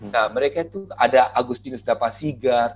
nah mereka itu ada agustinus dapasigar